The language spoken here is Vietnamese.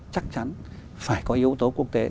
chắc chắn phải có yếu tố quốc tế